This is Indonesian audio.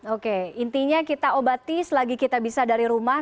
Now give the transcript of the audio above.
oke intinya kita obati selagi kita bisa dari rumah